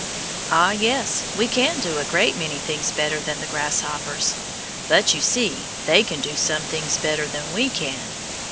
Ah, yes, we can do a great many things better than the grasshoppers, but, you see, they can do some things better than we can.